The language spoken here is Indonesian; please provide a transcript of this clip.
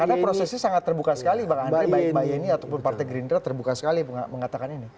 karena prosesnya sangat terbuka sekali bang andre baik mbak yeni ataupun partai gerindra terbuka sekali mengatakan ini